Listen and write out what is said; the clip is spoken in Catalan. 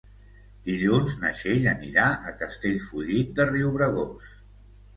Dilluns na Txell anirà a Castellfollit de Riubregós.